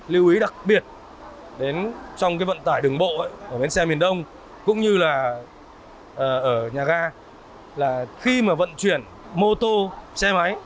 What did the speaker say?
lưu ý đặc biệt trong vận tải đường bộ ở bến xe miền đông cũng như là ở nhà ga là khi mà vận chuyển mô tô xe máy